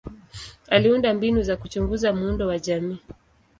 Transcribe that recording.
Aliunda mbinu za kuchunguza muundo wa jamii.